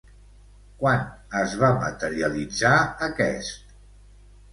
Quan es va materialitzar aquest?